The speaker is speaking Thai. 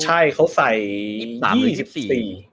ใช่เขาใส่๒๓หรือ๒๔